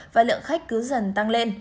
và lượng khách cứ dần tăng lên